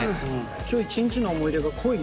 きょう一日の思い出が濃いね。